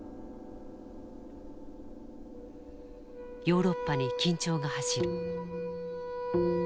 ヨーロッパに緊張が走る。